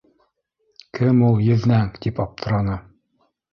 Кем ул еҙнәң? — тип аптыраны.